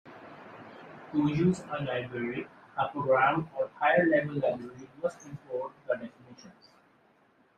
To use a library, a program or higher-level library must "import" the definitions.